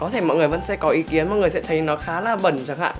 có thể mọi người vẫn sẽ có ý kiến mọi người sẽ thấy nó khá là bẩn chẳng hạn